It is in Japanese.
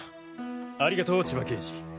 ありがとう千葉刑事。